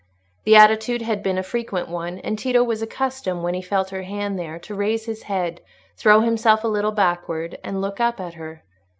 The attitude had been a frequent one, and Tito was accustomed, when he felt her hand there, to raise his head, throw himself a little backward, and look up at her.